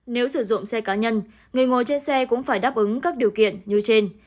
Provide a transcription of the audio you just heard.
nếu sử dụng xe cá nhân người ngồi trên xe cũng phải đáp ứng các điều kiện như trên